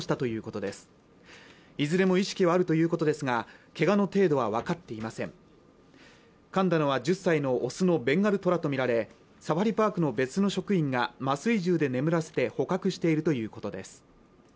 いずれも意識はあるということですがけがの程度は分かっていませんかんだのは１０歳のオスのベンガルトラと見られサファリパークの別の職員が麻酔銃で眠らせて捕獲しているということです